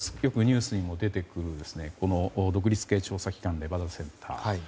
小木さんよくニュースにも出てくるこの独立系調査機関レバダセンター。